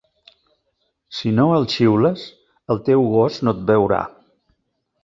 Si no el xiules, el teu gos, no et veurà.